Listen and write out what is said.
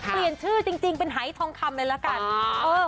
เปลี่ยนชื่อจริงเป็นหายทองคำเลยละกัน